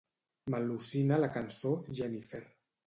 M'al·lucina la cançó "Jenifer".